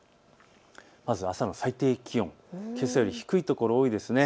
まず朝の最低気温、けさより低い所、多いですね。